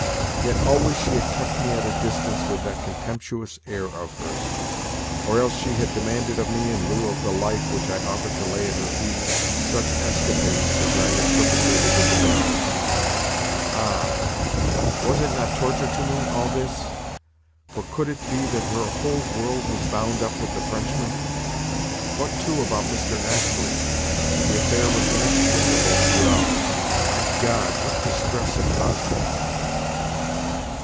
Yet always she had kept me at a distance with that contemptuous air of hers; or else she had demanded of me, in lieu of the life which I offered to lay at her feet, such escapades as I had perpetrated with the Baron. Ah, was it not torture to me, all this? For could it be that her whole world was bound up with the Frenchman? What, too, about Mr. Astley? The affair was inexplicable throughout. My God, what distress it caused me!